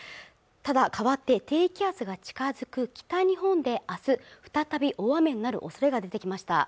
ただ変わって低気圧が近づく北日本で明日再び大雨になる恐れが出てきました